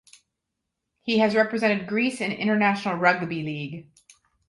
He has represented Greece in International Rugby League.